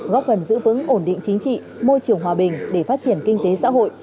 góp phần giữ vững ổn định chính trị môi trường hòa bình để phát triển kinh tế xã hội